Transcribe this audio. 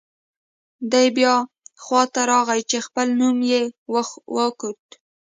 دی بیا خوا ته راغی چې خپل نوم یې وکوت.